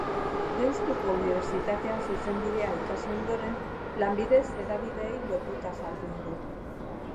Deustuko Unibertsitatean zuzenbidea ikasi ondoren, lanbidez hedabideei lotuta jardun du.